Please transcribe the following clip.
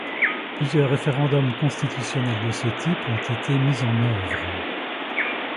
Plusieurs référendum constitutionnel de ce type ont été mis en oeuvre.